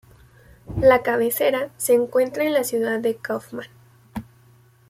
La cabecera se encuentra en la ciudad de Kaufman.